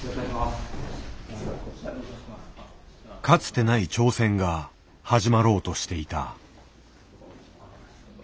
かつてない挑戦が始まろうとしていた。